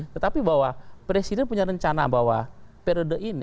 tetapi bahwa presiden punya rencana bahwa periode ini